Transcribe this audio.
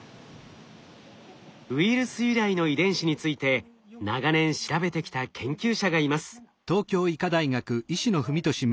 ウイルス由来の遺伝子について長年調べてきた研究者がいます。